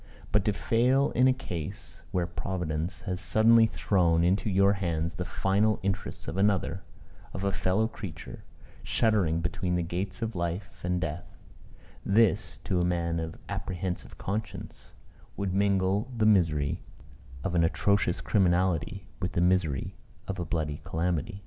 But to fail in a case where Providence has suddenly thrown into your hands the final interests of another of a fellow creature shuddering between the gates of life and death; this, to a man of apprehensive conscience, would mingle the misery of an atrocious criminality with the misery of a bloody calamity.